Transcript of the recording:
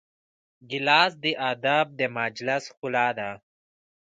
ګیلاس د ادب د مجلس ښکلا ده.